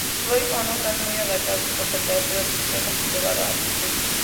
Su flora y fauna está muy adaptada a las temperaturas extremas y elevada altitud.